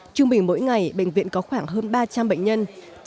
trung bình mỗi ngày bệnh viện có khoảng hơn ba trăm linh bệnh nhân